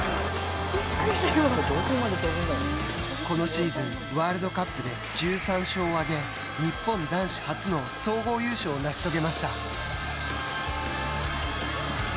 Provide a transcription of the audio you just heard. このシーズンワールドカップで１３勝を挙げ日本男子初の総合優勝を成し遂げました。